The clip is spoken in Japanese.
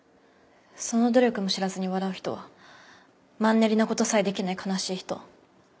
その努力も知らずに笑う人はマンネリな事さえできない悲しい人。